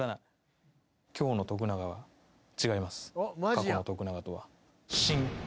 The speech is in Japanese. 過去の徳永とは。